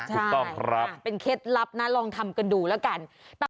ใช่เป็นเคล็ดลับนะลองทำกันดูแล้วกัน